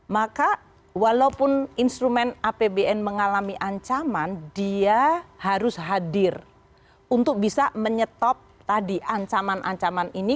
maka walaupun instrumen apbn mengalami ancaman dia harus hadir untuk bisa menyetop tadi ancaman ancaman ini